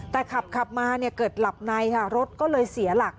แต่ขับมาเนี่ยเกิดหลับในค่ะรถก็เลยเสียหลัก